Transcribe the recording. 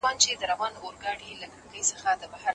که لاس ستړی سي خو زده کوونکی بیا هم لیکي دا زغم دی.